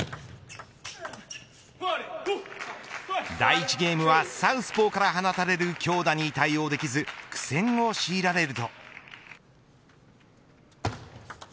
第１ゲームは、サウスポーから放たれる強打に対応できず苦戦を強いられると。